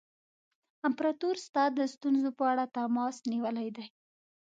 امپراطور ستا د ستونزو په اړه تماس نیولی دی.